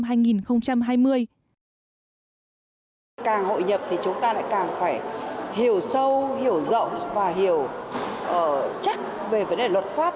càng hội nhập thì chúng ta lại càng phải hiểu sâu hiểu rộng và hiểu chắc về vấn đề luật pháp